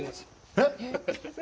えっ？